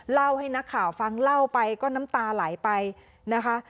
เล่าให้นักข่าวฟังเล่าไปก็น้ำตาไหลไปนะคะ